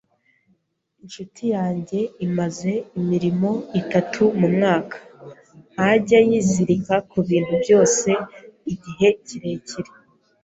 Inshuti yanjye imaze imirimo itatu mumwaka; ntajya yizirika kubintu byose igihe kirekire.